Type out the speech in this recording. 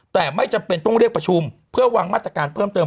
แต่ไม่จำเป็นต้องเรียกประชุมเพื่อวางมาตรการเพิ่มเติม